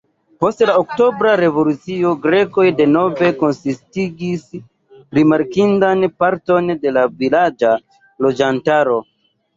Post la Oktobra revolucio grekoj denove konsistigis rimarkindan parton de la vilaĝa loĝantaro.